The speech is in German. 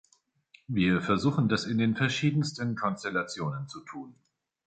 Wir versuchen, das in den verschiedensten Konstellationen zu tun.